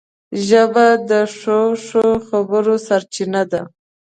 ژبه د ښو ښو خبرو سرچینه ده